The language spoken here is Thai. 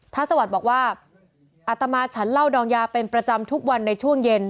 สวัสดิ์บอกว่าอัตมาฉันเหล้าดองยาเป็นประจำทุกวันในช่วงเย็น